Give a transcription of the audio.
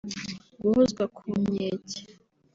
guhozwa ku nkeke